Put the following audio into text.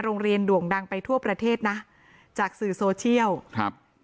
โรงเรียนด่วงดังไปทั่วประเทศนะจากสื่อโซเชียล